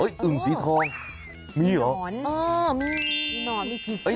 อื้มอึ่งสีทองมีหรอนอนมีผีเสื้อ